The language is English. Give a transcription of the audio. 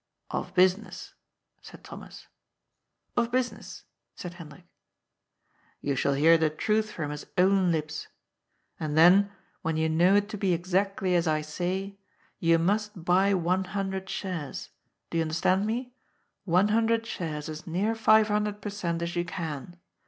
" Of business," said Thomas. " Of business," said Hendrik. " You shall hear the truth from his own lips. And then, when you know it to be exactly as I say, you must buy one hundred shares — do you understand me? — one hundred shares as near five hundred per cent, as you can.